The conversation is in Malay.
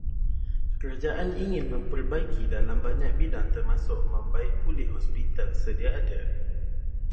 Kerajaan ingin memperbaiki dalam banyak bidang termasuk membaik pulih hospital sedia ada.